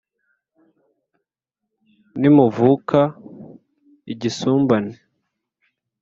ntimuvuka igisumbane